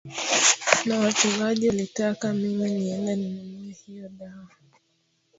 na wachungaji walitaka mimi niende ni nunue hiyo dawa